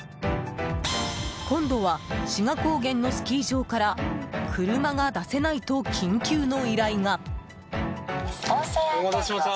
今度は、志賀高原のスキー場から車が出せないと緊急の依頼が。